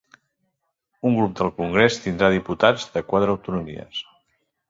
Un grup del congrés tindrà diputats de quatre autonomies